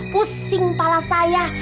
pusing kepala saya